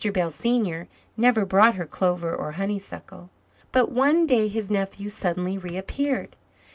Bell, senior, never brought her clover or honeysuckle. But one day his nephew suddenly reappeared.